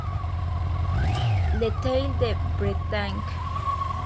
Le Theil-de-Bretagne